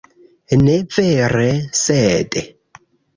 Ne vere, sed...